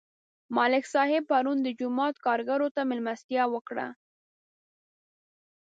ملک صاحب پرون د جومات کارګرو ته مېلمستیا وکړه.